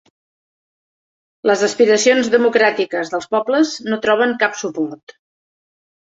Les aspiracions democràtiques dels pobles no troben cap suport